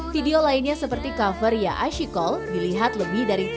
video lainnya seperti cover ya asyikol dilihat lebih dari tiga puluh juta kali